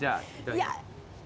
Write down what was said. いや。